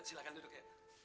silahkan duduk ya